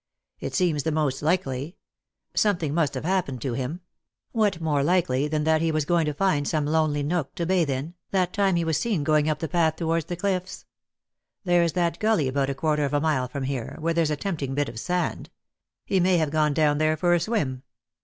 "It *eems the most likely. Something must have happened to him. What more likely than that he was going to find some lonely nook to bathe in, that time he was seen going up the path towards the cliffs ? There's that gully about a quarter of a mile from here, where there's a tempting bit of sand. He may have gone down there for a swim.